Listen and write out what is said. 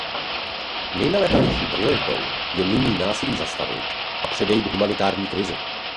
Nejnaléhavější prioritou je nyní násilí zastavit a předejít humanitární krizi.